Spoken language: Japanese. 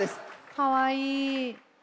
かわいい。